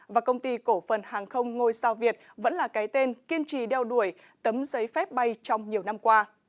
và công ty cổ phần hàng không ngôi sao việt vẫn là cái tên kiên trì đeo đuổi tấm giấy phép bay trong nhiều năm qua